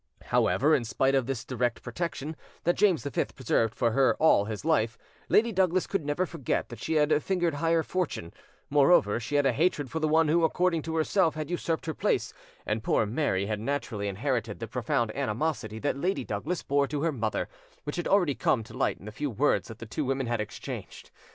However, in spite of this direct protection, that James V preserved for her all his life, Lady Douglas could never forget that she had fingered higher fortune; moreover, she had a hatred for the one who, according to herself, had usurped her place, and poor Mary had naturally inherited the profound animosity that Lady Douglas bore to her mother, which had already come to light in the few words that the two women had exchanged.